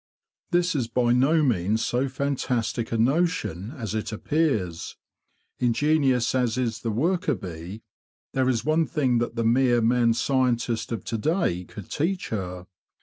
This is by no means so fantastic a notion as it appears. Ingenious as is the worker bee, there is one thing that the mere man scientist of to day could teach her.